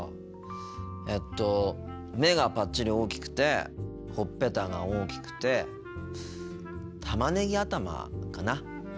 えっと目がぱっちり大きくてほっぺたが大きくてたまねぎ頭かな？